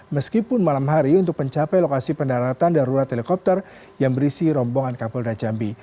meskipun malam hari untuk mencapai lokasi pendaratan darurat helikopter yang berisi rombongan kapolda jambi